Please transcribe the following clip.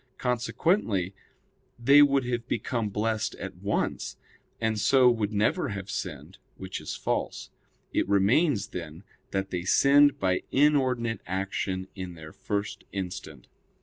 Consequently they would have become blessed at once; and so would never have sinned, which is false. It remains, then, that they sinned by inordinate action in their first instant.